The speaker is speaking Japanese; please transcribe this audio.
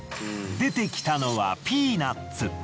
出てきたのはピーナッツ。